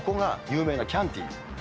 ここが有名なキャンティ。